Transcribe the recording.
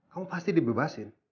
kamu pasti dibebasin